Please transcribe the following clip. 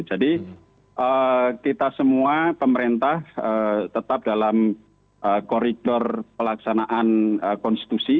jadi kita semua pemerintah tetap dalam koridor pelaksanaan konstitusi